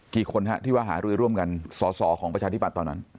กี่คนฮะที่ว่าหารือร่วมกันสอสอของประชาธิบัตย์ตอนนั้น